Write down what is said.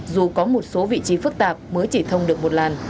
dù có một số vị trí phức tạp mới chỉ thông được một làn